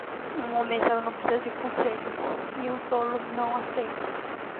Um homem sábio não precisa de conselho? e um tolo não aceita.